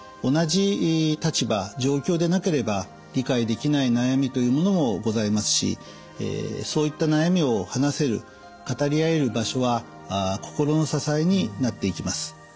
同じ立場状況でなければ理解できない悩みというものもございますしそういった悩みを話せる語り合える場所は心の支えになっていきます。